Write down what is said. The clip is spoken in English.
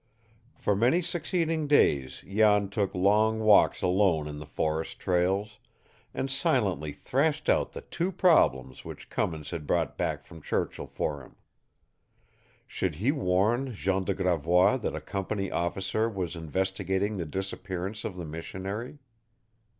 For many succeeding days Jan took long walks alone in the forest trails, and silently thrashed out the two problems which Cummins had brought back from Churchill for him. Should he warn Jean de Gravois that a company officer was investigating the disappearance of the missionary?